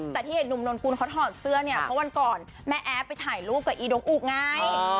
แต่ที่เห็นหนุ่มนนกุลเขาถอดเสื้อเนี่ยเพราะวันก่อนแม่แอฟไปถ่ายรูปกับอีดงอุไง